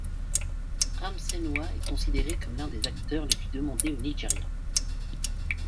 Ramsey Nouah est considéré comme l'un des acteurs les plus demandés au Nigeria.